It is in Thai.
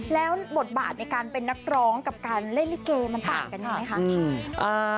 แล้วบทบาทในการเป็นนักร้องกับการเล่นลิเกมันต่างกันไหมคะ